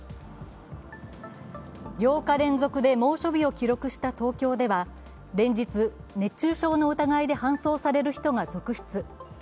８日連続で猛暑日を記録した東京では連日、熱中症の疑いで搬送される人が続出。